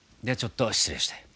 ではちょっと失礼して。